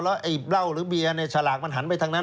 แล้วไอ้เหล้าหรือเบียร์ในฉลากมันหันไปทางนั้น